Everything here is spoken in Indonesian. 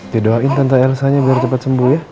didoain tante elsanya biar cepat sembuh ya